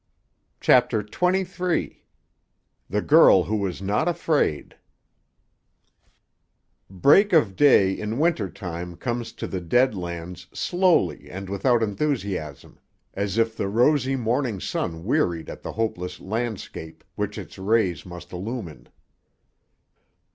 CHAPTER XXIII—THE GIRL WHO WAS NOT AFRAID Break of day in Winter time comes to the Dead Lands slowly and without enthusiasm, as if the rosy morning sun wearied at the hopeless landscape which its rays must illumine.